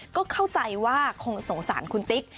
ก็เข้าใจว่าคงสงสารคุณติ๊ก